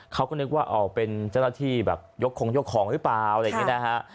เขาก็นึกว่าเป็นเจ้าหน้าที่แบบยกคงยกของหรือเปล่าอะไรอย่างนี้นะฮะ